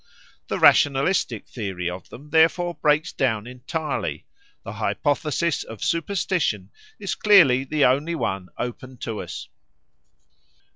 The rationalistic theory of them therefore breaks down entirely; the hypothesis of superstition is clearly the only one open to us.